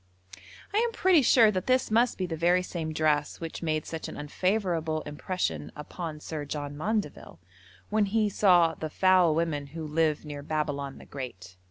I am pretty sure that this must be the very same dress which made such an unfavourable impression upon Sir John Maundeville, when he saw 'the foul women who live near Babylon the great.'